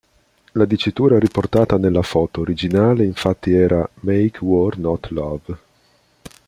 La dicitura riportata nella foto originale, infatti, era "Make War Not Love".